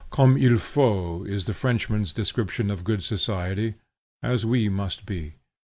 Comme il faut, is the Frenchman's description of good Society: as we must be.